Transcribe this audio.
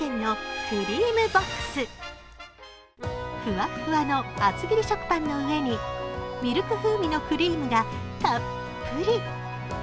ふわっふわの厚切り食パンの上にミルク風味のクリームがたっぷり。